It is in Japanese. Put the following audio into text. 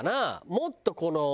もっとこの。